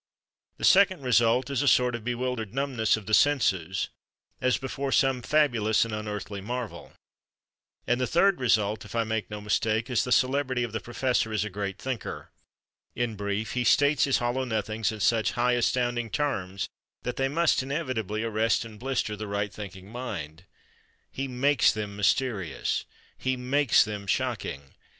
The second result is a sort of bewildered numbness of the senses, as before some fabulous and unearthly marvel. And the third result, if I make no mistake, is the celebrity of the professor as a Great Thinker. In brief, he states his hollow nothings in such high, astounding terms that they must inevitably arrest and blister the right thinking mind. He makes them mysterious. He makes them shocking.